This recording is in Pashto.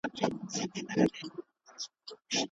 د انسانانو خرڅول په اسلام کي منع سوي دي.